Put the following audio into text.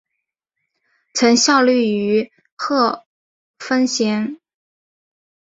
曾效力于贺芬咸。